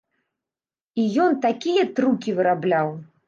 І ён такія трукі вырабляў!